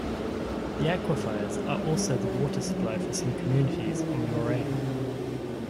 The aquifers are also the water supply for some communities on the Moraine.